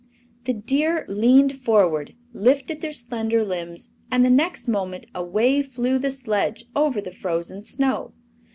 The deer leaned forward, lifted their slender limbs, and the next moment away flew the sledge over the frozen snow.